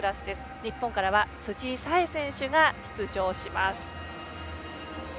日本からは辻沙絵選手が出場します。